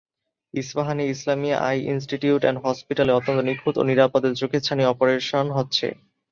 Ispahani Islamia eye institute and হসপিটালে অত্যন্ত নিখুঁত ও নিরাপদে চোখের ছানি অপারেশন হচ্ছে।